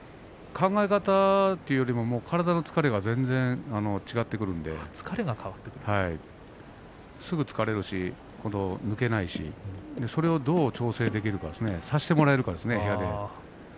考え方というよりも体の疲れが全然違ってくるのですぐ疲れるし、抜けないしそれをどう調整するか部屋で調整をさせてもらえるかですね。